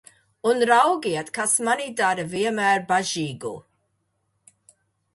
Un, raugiet, kas mani dara vienmēr bažīgu!